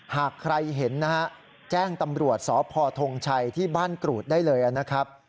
หากใครเห็นนะฮะแจ้งตำรวจสพทงชัยที่บ้านกรูดได้เลยนะครับ